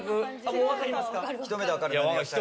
もう分かりますか？